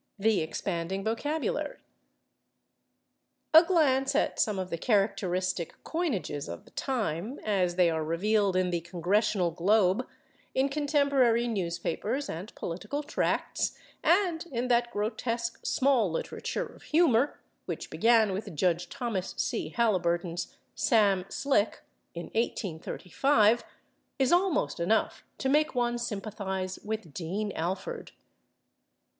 § 3 /The Expanding Vocabulary/ A glance at some of the characteristic coinages of the time, as they are revealed in the /Congressional Globe/, in contemporary newspapers and political tracts, and in that grotesque small literature of humor which began with Judge Thomas C. Haliburton's "Sam Slick" in 1835, is almost enough to make one sympathize with Dean Alford.